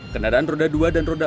kendaraan roda dua dan roda empat